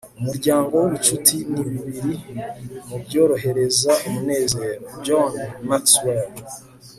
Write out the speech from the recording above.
umuryango n'ubucuti ni bibiri mu byorohereza umunezero. - john c. maxwell